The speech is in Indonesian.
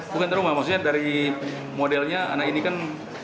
bukan terlalu mahal maksudnya dari modelnya anak ini kan